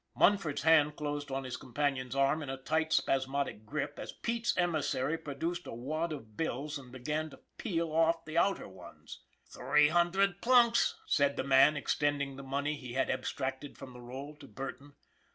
Munford's hand closed on his companion's arm in a tight, spasmodic grip as Pete's emissary produced a wad of bills and began to peel off the outer ones. :< Three hundred plunks," said the man, extending the money he had abstracted from the roll to Burton.